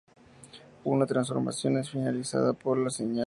Una transmisión es finalizada por la señal de parada.